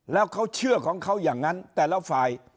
แล้วเขาเชื่อของเขาอย่างนั้นแต่ละฝ่าย